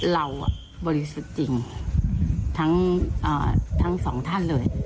บริสุทธิ์จริงทั้งสองท่านเลย